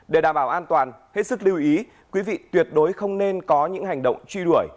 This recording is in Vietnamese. để đảm bảo an toàn hết sức lưu ý quý vị tuyệt đối không nên có những hành động truy đuổi